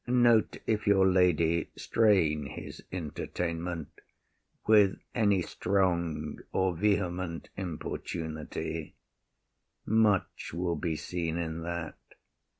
Note if your lady strain his entertainment With any strong or vehement importunity, Much will be seen in that.